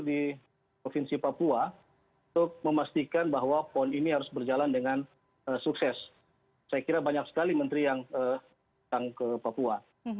di provinsi papua untuk memastikan bahwa pon ini harus berjalan dengan sukses saya kira banyak sekali menteri yang datang ke papua